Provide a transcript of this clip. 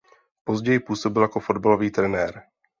Později působil jako fotbalový trenér.